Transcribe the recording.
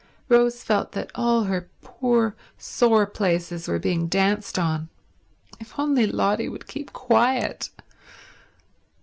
Rose felt that all her poor sore places were being danced on. If only Lotty would keep quiet